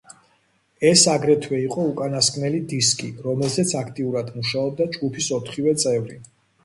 ეს აგრეთვე იყო უკანასკნელი დისკი, რომელზეც აქტიურად მუშაობდა ჯგუფის ოთხივე წევრი.